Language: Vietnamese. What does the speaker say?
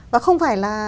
và không phải là